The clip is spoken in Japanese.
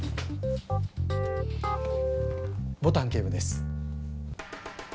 牡丹警部です。